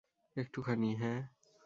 একটুখানি, হ্যাঁ।